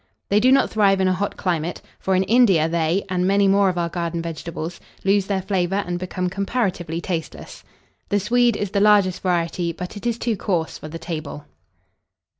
They do not thrive in a hot climate; for in India they, and many more of our garden vegetables, lose their flavour and become comparatively tasteless. The Swede is the largest variety, but it is too coarse for the table.